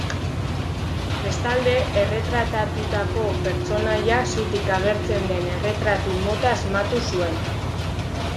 Bestalde, erretratatutako pertsonaia zutik agertzen den erretratu mota asmatu zuen.